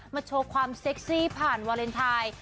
โชว์ความเซ็กซี่ผ่านวาเลนไทย